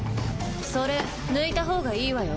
それ抜いた方がいいわよ。